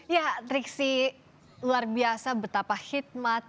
ya triksi luar biasa betapa hikmat